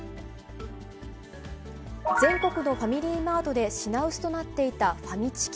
全国のファミリーマートで品薄となっていたファミチキ。